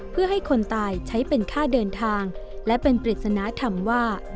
เพื่อให้คนตายใช้เป็นค่าเดินทางและเป็นปริศนธรรมว่า